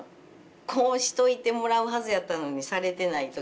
こうしといてもらうはずやったのにされてない時。